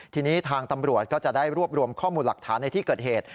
ทีนี้ทางตำรวจก็จะได้รวบรวมข้อมูลหลักฐานในที่เกิดเหตุ